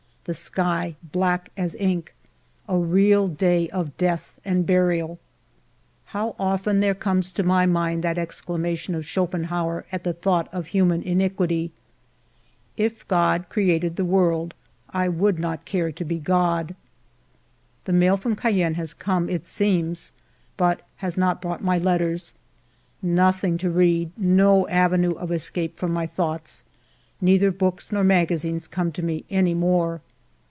The sky black as ink. A real day of death and burial. How often there comes to my mind that excla mation of Schopenhauer at the thought of human iniquity :—" If God created the world, I would not care to be God.'* The mail from Cayenne has come, it seems, but has not brought my letters !... Nothing to read, no avenue of escape from my thoughts. Neither books nor magazines come to me any more.